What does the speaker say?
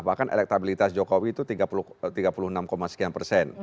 bahkan elektabilitas jokowi itu tiga puluh enam sekian persen